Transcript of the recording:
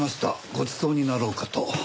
ごちそうになろうかと。